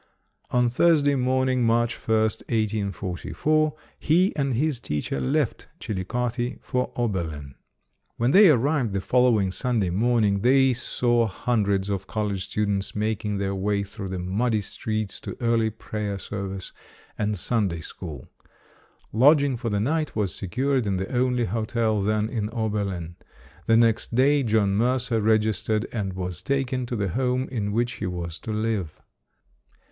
On Thursday morning, March 1, 1844, he and his teacher left Chillicothe for Oberlin. When they arrived the following Sunday morning, they saw hundreds of college students making their JOHN MERCER LANGSTON [ 275 way through the muddy streets to early prayer service and Sunday School. Lodging for the 'night was secured in the only hotel then in Ober lin. The next day John Mercer registered and was taken to the home in which he was to live.